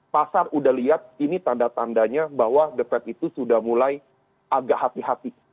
pasar udah lihat ini tanda tandanya bahwa the fed itu sudah mulai agak hati hati